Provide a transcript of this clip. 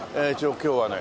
今日はね